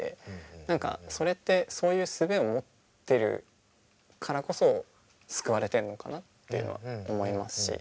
何かそれってそういうすべを持ってるからこそ救われてるのかなっていうのは思いますし。